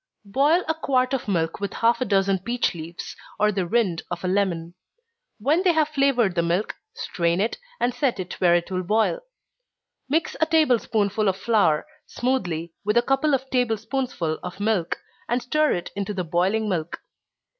_ Boil a quart of milk with half a dozen peach leaves, or the rind of a lemon. When they have flavored the milk, strain it, and set it where it will boil. Mix a table spoonful of flour, smoothly, with a couple of table spoonsful of milk, and stir it into the boiling milk.